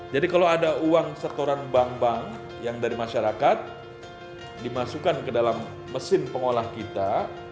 jadi kalau ada uang setoran bank bank yang dari masyarakat dimasukkan ke dalam mesin pengolah kita